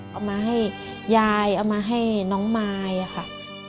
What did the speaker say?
เอามาให้ยายเอามาให้น้องมายค่ะ